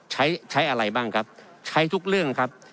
ใช้ใช้อะไรบ้างครับใช้ทุกเรื่องครับ